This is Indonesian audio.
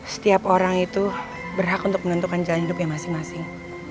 setiap orang itu berhak untuk menentukan jalan hidupnya masing masing